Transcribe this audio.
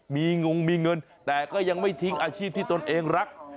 มีงงมีเงินแต่ก็ยังไม่ทิ้งอาชีพที่ตนเองรัก